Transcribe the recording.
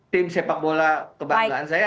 tim sepak bola kebanggaan saya